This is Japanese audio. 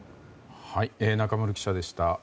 中丸記者でした。